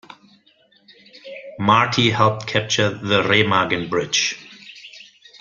Marty helped capture the Remagen Bridge.